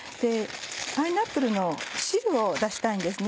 パイナップルの汁を出したいんですね。